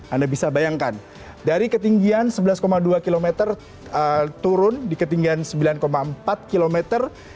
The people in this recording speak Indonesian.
anda bisa bayangkan dari ketinggian sebelas dua km turun di ketinggian sembilan empat kilometer